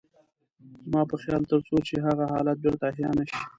زما په خيال تر څو چې هغه حالت بېرته احيا نه شي.